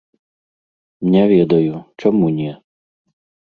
Не ведаю, чаму не?